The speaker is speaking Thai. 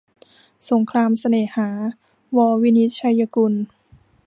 สงครามเสน่หา - ว วินิจฉัยกุล